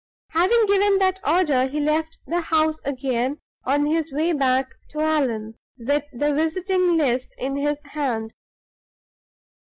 Having given that order, he left the house again on his way back to Allan, with the visiting list in his hand.